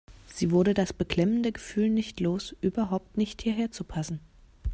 Sie wurde das beklemmende Gefühl nicht los, überhaupt nicht hierher zu passen.